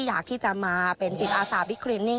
อยากที่จะมาเป็นจิตอาสาบิคลินนิ่ง